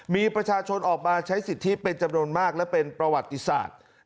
มีประชาชนออกมาใช้สิทธิเป็นจำนวนมากและเป็นประวัติศาสตร์